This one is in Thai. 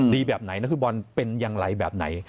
แบบไหนนักฟุตบอลเป็นอย่างไรแบบไหน